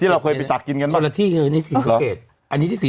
ที่เราเคยไปตักกินกันบ้าง